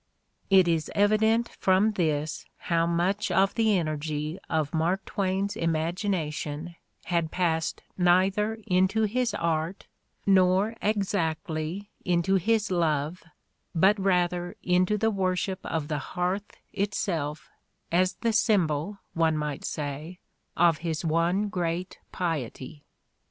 It is evident from this how much of the energy of Mark Twain's imagination had passed neither into his art nor, exactly, into his love, but rather into the worship of the hearth itself as the symbol, one might say, of his one great piety.